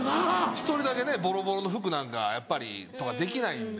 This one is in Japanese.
１人だけボロボロの服なんかやっぱりできないんで。